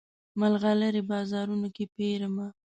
مرغلرې بازارونو کې پیرمه